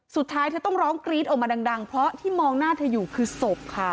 สุดท้ายเธอต้องร้องกรี๊ดออกมาดังเพราะที่มองหน้าเธออยู่คือศพค่ะ